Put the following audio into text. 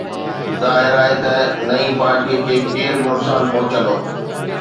ظاهر آهي ته نئين پارٽيءَ کي ڪير به نقصان پهچندو